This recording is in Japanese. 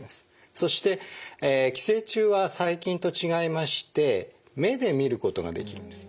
そして寄生虫は細菌と違いまして目で見ることができるんです。